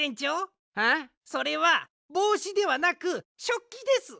それはぼうしではなくしょっきです！